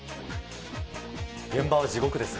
現場は地獄ですよ。